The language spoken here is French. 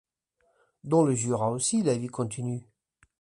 Dans le Jura aussi, la vie continue.